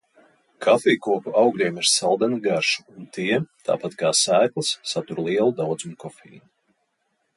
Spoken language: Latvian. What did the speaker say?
Kafijkoku augļiem ir saldena garša un tie, tāpat kā sēklas, satur lielu daudzuma kofeīna.